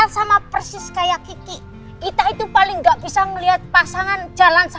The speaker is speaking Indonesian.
sampai jumpa di video selanjutnya